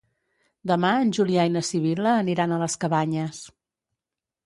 Demà en Julià i na Sibil·la aniran a les Cabanyes.